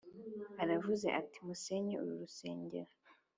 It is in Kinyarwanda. Aravuga ati “musenye uru rusengero”